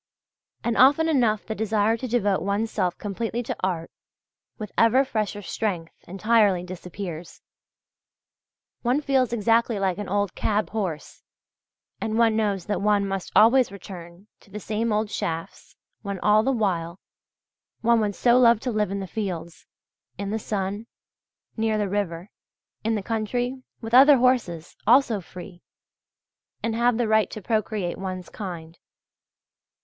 And often enough the desire to devote one's self completely to art, with ever fresher strength, entirely disappears. One feels exactly like an old cab horse, and one knows that one must always return to the same old shafts when all the while one would so love to live in the fields, in the sun, near the river, in the country, with other horses, also free, and have the right to procreate one's kind.